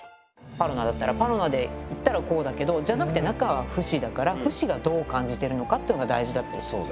パロナだったらパロナでいったらこうだけどじゃなくて中はフシだからフシがどう感じてるのかってのが大事。